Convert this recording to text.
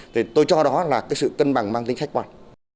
thì tôi cho đó là cái sự cân bằng mang tính khách quan